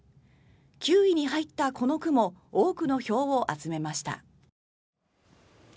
９位に入ったこの句も多くの票を集めました。